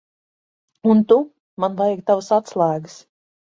Un tu. Man vajag tavas atslēgas.